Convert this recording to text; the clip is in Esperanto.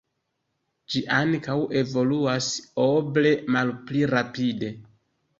Ĝi ankaŭ evoluas oble malpli rapide.